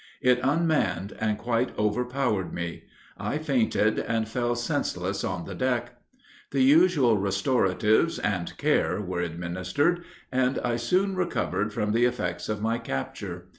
It unmanned and quite overpowered me; I fainted, and fell senseless on the deck. The usual restoratives and care were administered, and I soon recovered from the effects of my capture.